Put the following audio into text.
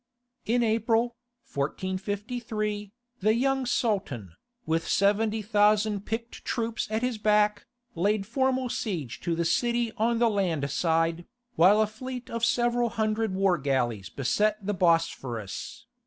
In April, 1453, the young Sultan, with seventy thousand picked troops at his back, laid formal siege to the city on the land side, while a fleet of several hundred war galleys beset the Bosphorus.